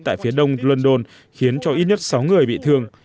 tại phía đông london khiến cho ít nhất sáu người bị thương